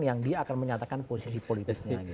yang dia akan menyatakan posisi politiknya